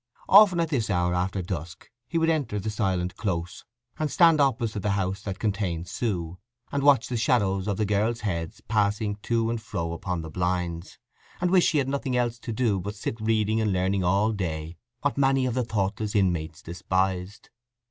Often at this hour after dusk he would enter the silent Close, and stand opposite the house that contained Sue, and watch the shadows of the girls' heads passing to and fro upon the blinds, and wish he had nothing else to do but to sit reading and learning all day what many of the thoughtless inmates despised.